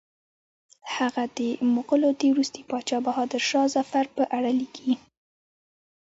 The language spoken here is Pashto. هغه د مغولو د وروستي پاچا بهادر شاه ظفر په اړه لیکي.